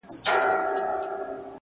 ه ټول ياران دې ولاړل له يارانو سره!